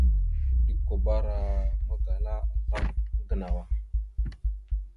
Eɗʉkabara magala azlam a gənow a.